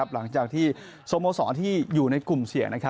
หลังจากที่สโมสรที่อยู่ในกลุ่มเสี่ยง